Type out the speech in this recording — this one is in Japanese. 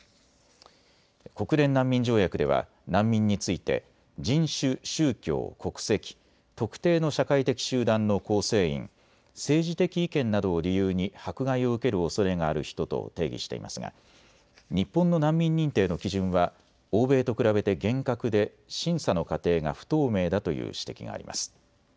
国連難民条約では難民について人種、宗教、国籍、特定の社会的集団の構成員、政治的意見などを理由に迫害を受けるおそれがある人と定義していますが日本の難民認定の基準は欧米と比べて厳格で審査の過程が不透明だという指摘があります。